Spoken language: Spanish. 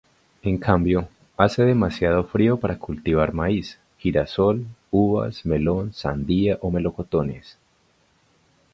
En cambio, hace demasiado frío para cultivar maíz, girasol, uvas, melón, sandía o melocotones.